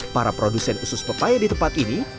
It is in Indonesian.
para produsen usus pepaya di tempat ini